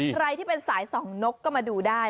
ใครที่เป็นสายส่องนกก็มาดูได้